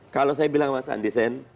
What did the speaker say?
kalau saya bilang sama sandi sen